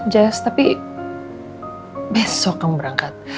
jazz tapi besok kamu berangkat